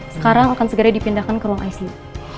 sekarang akan segera dipindahkan ke ruang icu